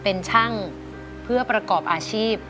เป็นช่างเพื่อประกอบอาชีพ